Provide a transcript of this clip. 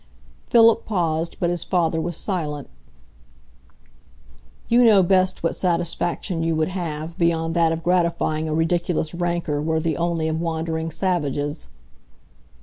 Philip paused, but his father was silent. "You know best what satisfaction you would have, beyond that of gratifying a ridiculous rancor worthy only of wandering savages."